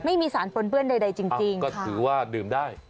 ไม่มีสารปนเปื้อนใดจริงก็ถือว่าดื่มได้